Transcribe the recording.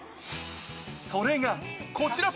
それがこちら。